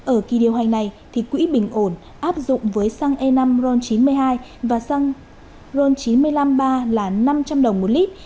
ở kỳ điều hành này quỹ bình ổn áp dụng với xăng e năm ron chín mươi hai và xăng ron chín trăm năm mươi ba là năm trăm linh đồng một lít